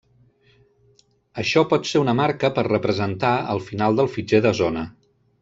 Això pot ser una marca per representar el final del fitxer de zona.